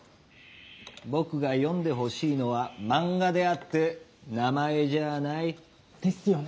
僕が読んでほしいのは漫画であって名前じゃあない。ですよね。